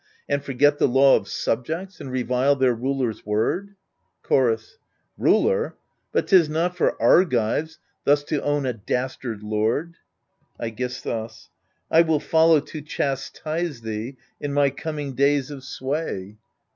And forget the law of subjects, and revile their ruler's word — Chorus Ruler ? but 'tis not for Argives, thus to own a dastard lord! iEOISTHUS I will follow to chastise thee in my coming days of sway.